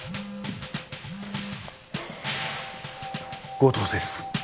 後藤です